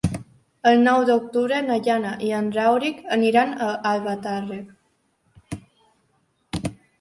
El nou d'octubre na Jana i en Rauric aniran a Albatàrrec.